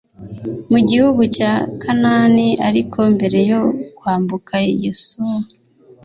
mu gihugu cya Kanaani Ariko mbere yo kwambuka Yosuwa